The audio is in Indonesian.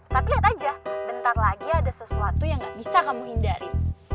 tapi lihat aja bentar lagi ada sesuatu yang gak bisa kamu hindari